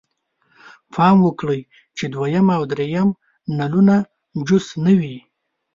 پام وکړئ چې دویم او دریم نلونه جوش نه وي.